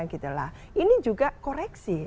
gitu lah ini juga koreksi